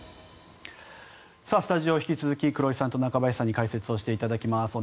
スタジオは引き続き黒井さんと中林さんに解説をしていただきます。